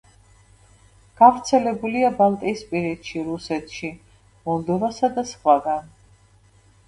გავრცელებულია ბალტიისპირეთში, რუსეთში, მოლდოვასა და სხვაგან.